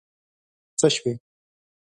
څه شوي؟